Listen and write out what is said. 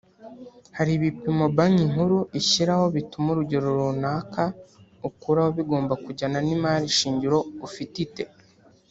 hari ibipimo Banki Nkuru ishyiraho bituma urugero runaka ukuraho bigomba kujyana n’imari shingiro ufitite